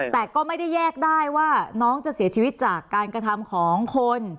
แต่ก็ไม่ได้แยกได้ว่าน้องจะเสียชีวิตจากการกระทำของคน